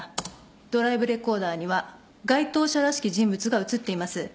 ドライブレコーダーには該当者らしき人物が写っています。